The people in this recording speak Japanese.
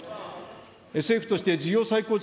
政府として事業再構築